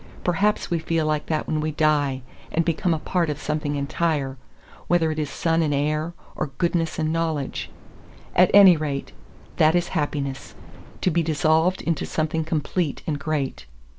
Perhaps we feel like that when we die and become a part of something entire, whether it is sun and air, or goodness and knowledge. At any rate, that is happiness; to be dissolved into something complete and great.